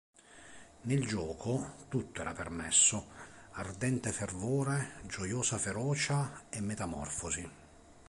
Nel gioco, tutto è permesso: ardente fervore, gioiosa ferocia e metamorfosi.